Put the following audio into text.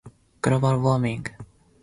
global warming